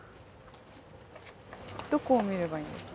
どこを見ればいいんですか？